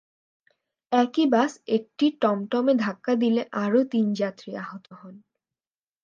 একই বাস একটি টমটমে ধাক্কা দিলে আরও তিন যাত্রী আহত হন।